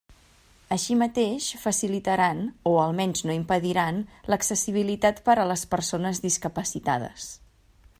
Així mateix facilitaran, o almenys no impediran, l'accessibilitat per a les persones discapacitades.